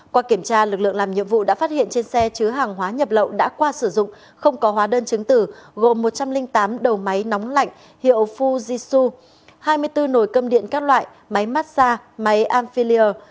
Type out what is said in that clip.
qua kiểm tra lực lượng làm nhiệm vụ đã phát hiện trên xe chứa hàng hóa nhập lậu đã qua sử dụng không có hóa đơn chứng tử gồm một trăm linh tám đầu máy nóng lạnh hiệu fujisu hai mươi bốn nồi cơm điện các loại máy massage máy anfilier